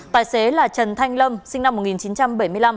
tài xế là trần thanh lâm sinh năm một nghìn chín trăm bảy mươi năm